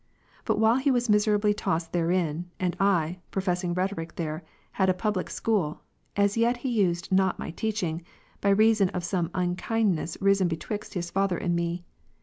But while he was miserably tossed therein, and I, professing rhetoric there, had a public school, as yet he used not my teaching, by reason of some unkindness risen betwixt his father and me.